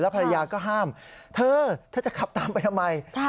ภรรยาก็ห้ามเธอเธอจะขับตามไปทำไม